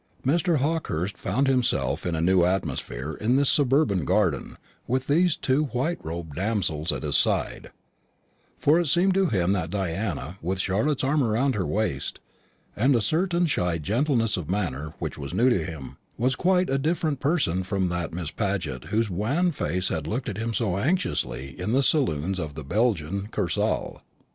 Mr. Hawkehurst found himself in a new atmosphere in this suburban garden, with these two white robed damsels by his side; for it seemed to him that Diana with Charlotte's arm round her waist, and a certain shy gentleness of manner which was new to him, was quite a different person from that Miss Paget whose wan face had looked at him so anxiously in the saloons of the Belgian Kursaal.